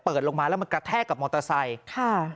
เปิดลงมาแล้วมากระแท่กับมอเตอร์ไซค์